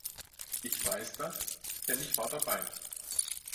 Ich weiß das, denn ich war dabei.